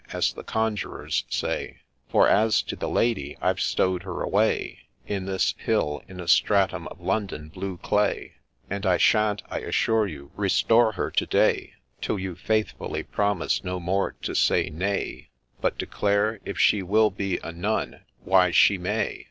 " as the conjurers say ; For as to the Lady, I've stow'd her away In this hill, in a stratum of London blue clay ; And I shan't, I assure you, restore her to day Till you faithfully promise no more to say " Nay," But declare, " If she will be a nun, why she may."